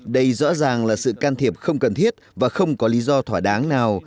đây rõ ràng là sự can thiệp không cần thiết và không có lý do thỏa đáng nào